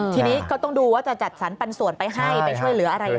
ทีนี้ก็ต้องดูว่าจะจัดสรรปันส่วนไปให้ไปช่วยเหลืออะไรยังไง